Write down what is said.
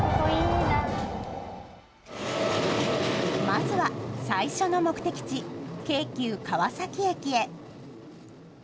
まずは最初の目的地、京急川崎駅へ。